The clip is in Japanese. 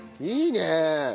いいねえ。